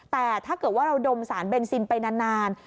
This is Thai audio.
แต่ถ้าเกิดว่าเราดมสารเบนซินไปนาน